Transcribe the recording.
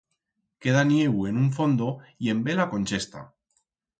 Queda nieu en un fondo y en bela conchesta.